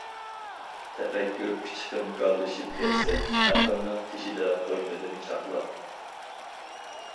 تەپەككۇر پىچىقىم گاللىشىپ كەتسە، ئەقىلنىڭ تېشىدا قويمىدىم چاقلاپ.